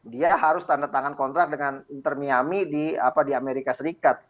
dia harus tanda tangan kontrak dengan inter miami di amerika serikat